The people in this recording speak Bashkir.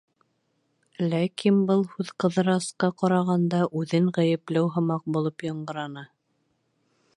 Ләкин был һүҙ, Ҡыҙырасҡа ҡарағанда, үҙен ғәйепләү һымаҡ булып яңғыраны.